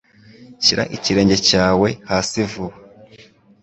Shira ikirenge cyawe hasivuba